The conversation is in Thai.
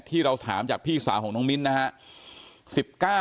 ที่เราถามจากพี่สาวของน้องมิ้นนะครับ